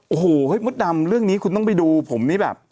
โอ้โหเฮ้ยมดดำเรื่องนี้คุณต้องไปดูผมนี่แบบ